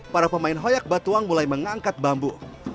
para pemain hoyak batuang mulai mengangkat bambu